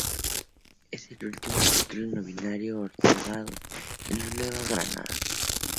Es el último título nobiliario otorgado en la Nueva Granada.